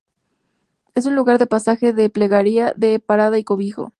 Es un lugar de pasaje, de plegaria, de parada y cobijo.